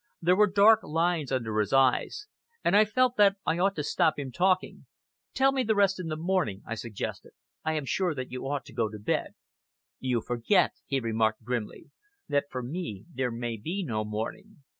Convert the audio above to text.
There were dark lines under his eyes, and I felt that I ought to stop him talking. "Tell me the rest in the morning," I suggested. "I am sure that you ought to go to bed." "You forget," he remarked grimly, "that for me there may be no morning.